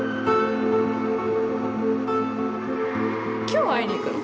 今日会いに行くの？